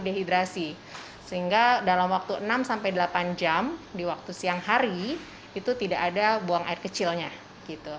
dehidrasi sehingga dalam waktu enam sampai delapan jam di waktu siang hari itu tidak ada buang air kecilnya gitu